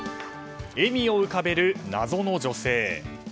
笑みを浮かべる謎の女性。